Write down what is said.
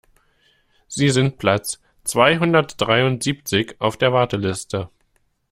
Sie sind Platz zweihundertdreiundsiebzig auf der Warteliste.